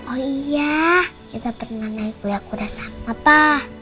oh iya kita pernah naik kuda kuda sama papa